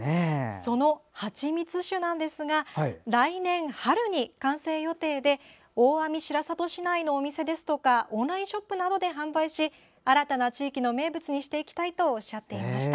そのハチミツ酒なんですが来年春の完成予定で大網白里市内のお店ですとかオンラインショップなどで販売し新たな地域の名物にしていきたいと、おっしゃっていました。